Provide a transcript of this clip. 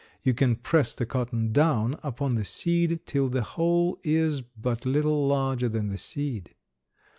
You can press the cotton down upon the seed till the whole is but little larger than the seed.